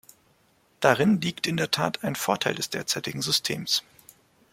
Darin liegt in der Tat ein Vorteil des derzeitigen Systems.